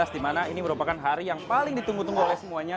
di mana ini merupakan hari yang paling ditunggu tunggu oleh semuanya